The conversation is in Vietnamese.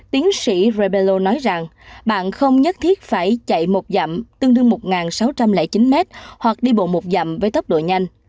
tiến sĩ rabello nói rằng bạn không nhất thiết phải chạy một dặm tương đương một sáu trăm linh chín mét hoặc đi bộ một dầm với tốc độ nhanh